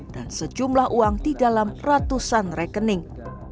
dan sejumlah uang di dalam ratusan rekening